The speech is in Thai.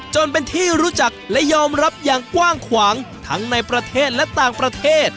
จนเป็นที่รู้จักและยอมรับอย่างกว้างขวางทั้งในประเทศและต่างประเทศ